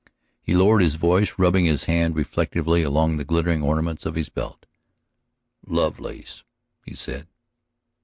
He lowered his voice, rubbing his hand reflectively along the glittering ornaments of his belt. "Lovelace," he said.